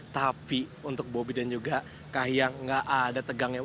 tapi untuk bobi dan juga kak hyang gak ada tegangnya